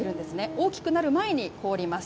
大きくなる前に凍ります。